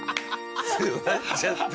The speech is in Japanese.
座っちゃってる。